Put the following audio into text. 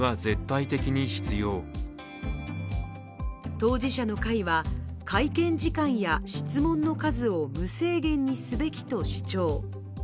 当事者の会は会見時間や質問の数を無制限にすべきと主張。